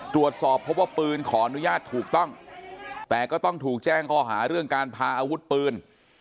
ตรวจสอบพบว่าปืนขออนุญาตถูกต้องแต่ก็ต้องถูกแจ้งข้อหาเรื่องการพาอาวุธปืน